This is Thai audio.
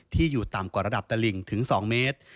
อยู่ต่ำกว่าระดับตลิ่งถึง๒เมตร